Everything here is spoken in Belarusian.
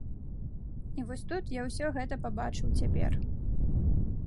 І вось тут я ўсё гэта пабачыў цяпер.